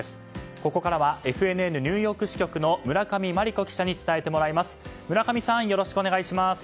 ここからはＦＮＮニューヨーク支局の村上真理子記者に伝えてもらいます。